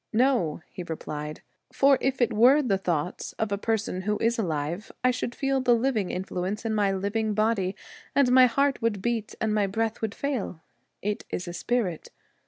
' No,' he replied; 'for if it were the thoughts of a person who is alive I should feel the living influence in my living body, and my heart would beat and my breath would fail. It is a spirit.